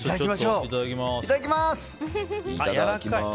いただきます。